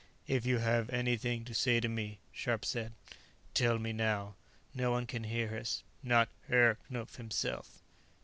"If you have anything to say to me," Scharpe said, "tell me now. No one can hear us, not Herr Knupf himself."